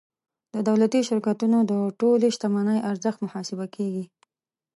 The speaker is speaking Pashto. د دولتي شرکتونو د ټولې شتمنۍ ارزښت محاسبه کیږي.